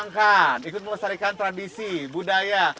ikut melestarikan tradisi budaya